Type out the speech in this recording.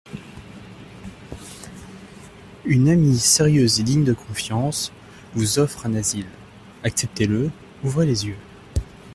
Une amie sérieuse et digne de confiance vous offre un asile, acceptez-le, ouvrez les yeux.